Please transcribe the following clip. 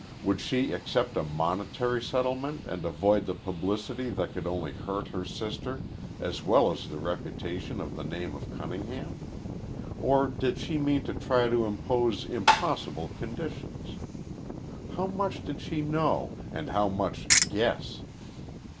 Would she accept a monetary settlement and avoid the publicity that could only hurt her sister as well as the reputation of the name of Cunningham? Or did she mean to try to impose impossible conditions? How much did she know and how much guess?